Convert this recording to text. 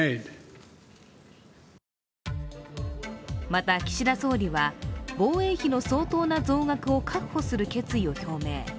また岸田総理は、防衛費の相当な増額を確保する決意を表明。